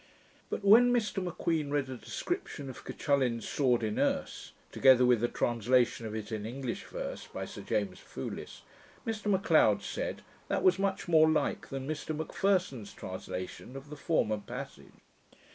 But when Mr M'Queen read a description of Cuchullin's sword in Erse, together with a translation of it in English verse, by Sir James Foulis, Mr M'Leod said, that was much more like than Mr M'Pherson's translation of the former passage.